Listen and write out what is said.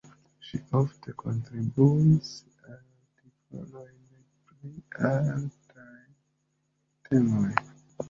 Ŝi ofte kontribuis artikolojn pri artaj temoj.